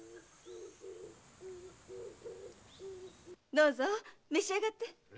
どうぞ召し上がって。